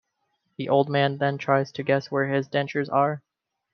The old man then tries to guess where his dentures are.